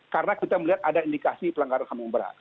karena kita melihat ada indikasi pelanggaran ham yang berat